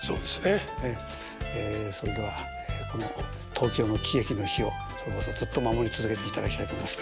ええそれではこの東京の喜劇の灯をずっと守り続けていただきたいと思います。